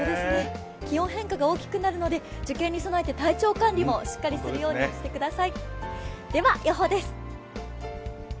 気温変化が大きくなるので、受験に備えて体調管理もしっかりするようにしてください。